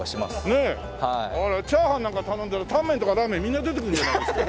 チャーハンなんか頼んだらタンメンとかラーメンみんな出てくるんじゃないですか？